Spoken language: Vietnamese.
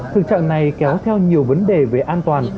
thực trạng này kéo theo nhiều vấn đề về an toàn